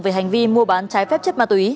về hành vi mua bán trái phép chất ma túy